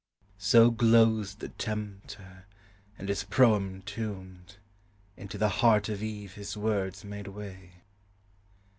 So glozed the tempter, and his proem tuned: Into the heart of Eve his words made way.